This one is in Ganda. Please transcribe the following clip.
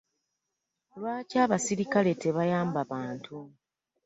Lwaki abasirikale tebayamba bantu?